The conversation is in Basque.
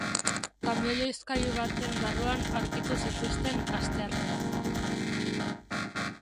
Kamioi-hozkailu baten barruan aurkitu zituzten, asteartean.